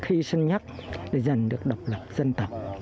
hy sinh nhất để giành được độc lập dân tộc